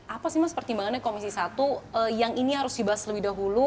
apa sih mas pertimbangannya komisi satu yang ini harus dibahas lebih dahulu